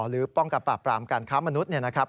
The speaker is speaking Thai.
หรือป้องกับปราบปรามการค้ามมนุษย์เนี่ยนะครับ